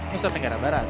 nusa tenggara barat